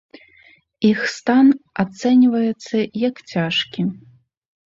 Іх стан ацэньваецца як цяжкі.